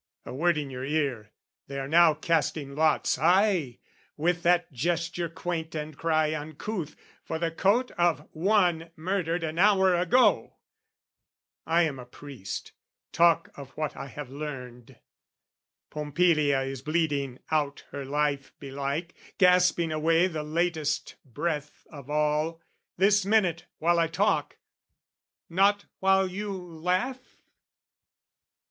A word in your ear, they are now casting lots, Ay, with that gesture quaint and cry uncouth, For the coat of One murdered an hour ago! I am a priest, talk of what I have learned. Pompilia is bleeding out her life belike, Gasping away the latest breath of all, This minute, while I talk not while you laugh?